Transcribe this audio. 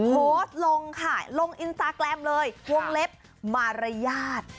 โพสต์ลงค่ะลงอินสตาแกรมเลยวงเล็บมารยาท